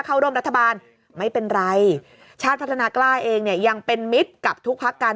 เข้าร่วมรัฐบาลไม่เป็นไรชาติพัฒนากล้าเองเนี่ยยังเป็นมิตรกับทุกพักการ